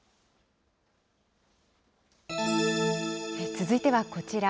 続いてはこちら。